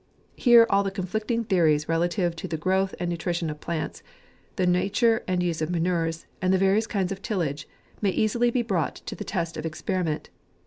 Here all the conflicting theories relative to the growth and the nutrition of plants, the nature and use of manures, and the various kind of tillage, may easily be brought to the test of experiment.